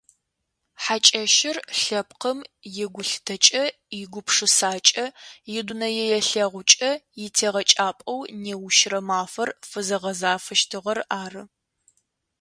Хьакӏэщыр лъэпкъым игулъытэкӏэ, игупшысакӏэ, идунэелъэгъукӏэ итегъэкӏапӏэу неущрэ мафэр фызэзгъэзафэщтыгъэр ары.